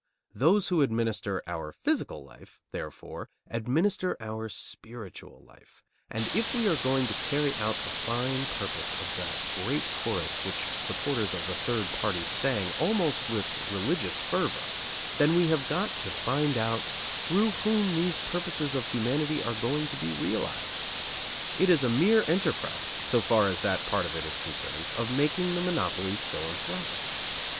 Those who administer our physical life, therefore, administer our spiritual life; and if we are going to carry out the fine purpose of that great chorus which supporters of the third party sang almost with religious fervor, then we have got to find out through whom these purposes of humanity are going to be realized. It is a mere enterprise, so far as that part of it is concerned, of making the monopolies philanthropic.